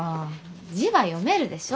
字は読めるでしょ？